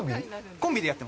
コンビで。